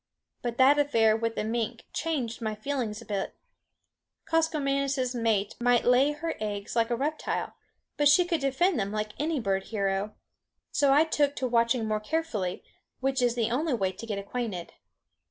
But that affair with the mink changed my feelings a bit. Koskomenos' mate might lay her eggs like a reptile, but she could defend them like any bird hero. So I took to watching more carefully; which is the only way to get acquainted.